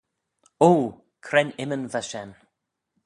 O! Cre'n imman va shen.